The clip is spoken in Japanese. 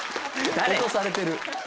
落とされてる。